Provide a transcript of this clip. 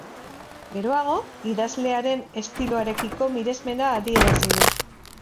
Geroago, idazlearen estiloarekiko miresmena adierazi du.